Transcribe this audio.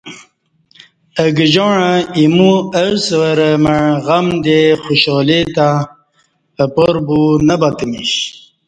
اہ گجاعں ایمو او سورہ مع غم دے خوشالی تہ اپار بو نہ بتمیش